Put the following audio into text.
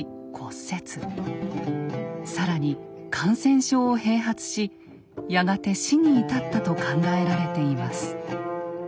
更に感染症を併発しやがて死に至ったと考えられています。